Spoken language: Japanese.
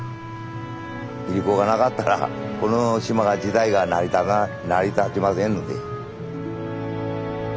いりこがなかったらこの島自体が成り立ちませんので。